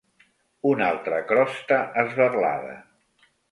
Una altra crosta esberlada.